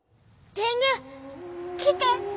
天狗来て！